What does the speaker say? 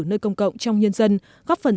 nơi công cộng trong nhân dân góp phần